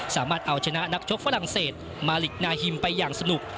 สามารถเอาชนะนักชกฝรั่งเศสมาลิกนาฮิมไปอย่างสนุก